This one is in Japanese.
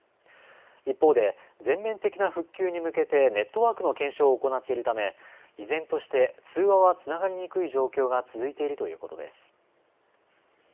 一方で全面的な復旧に向けてネットワークの検証を行っているため依然として通話はつながりにくい状況が続いているということです。